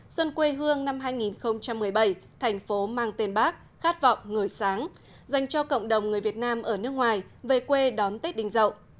xuân quê hương năm hai nghìn một mươi bảy thành phố mang tên bác khát vọng người sáng dành cho cộng đồng người việt nam ở nước ngoài về quê đón tết đình dậu